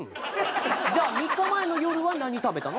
じゃあ３日前の夜は何食べたの？